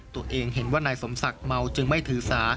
ตัวเองเห็นว่านายสมศักดิ์เมาจึงไม่ถือสา